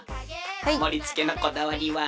もりつけのこだわりは？